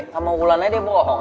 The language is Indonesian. sama wulannya deh bohong